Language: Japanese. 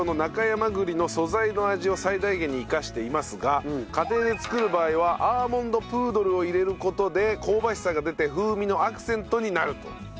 山栗の素材の味を最大限に生かしていますが家庭で作る場合はアーモンドプードルを入れる事で香ばしさが出て風味のアクセントになると。